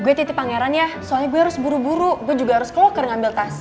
gue titip pangeran ya soalnya gue harus buru buru gue juga harus keloker ngambil tas